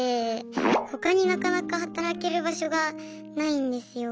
他になかなか働ける場所がないんですよ。